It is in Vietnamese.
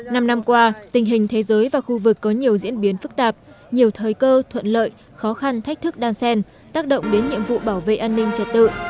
năm năm qua tình hình thế giới và khu vực có nhiều diễn biến phức tạp nhiều thời cơ thuận lợi khó khăn thách thức đan sen tác động đến nhiệm vụ bảo vệ an ninh trật tự